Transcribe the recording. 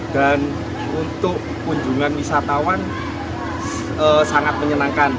dan untuk kunjungan wisatawan sangat menyenangkan